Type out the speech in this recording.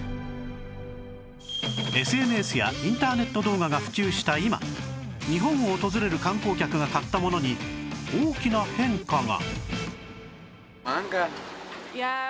ＳＮＳ やインターネット動画が普及した今日本を訪れる観光客が買ったものに大きな変化が！